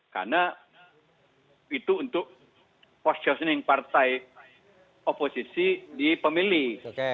karena itu untuk post chausening partai oposisi di pemilih